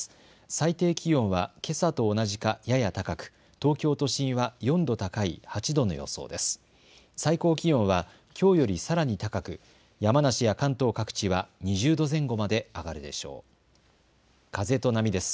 最低気温はけさと同じかやや高く東京都心は４度高い８度の予想です。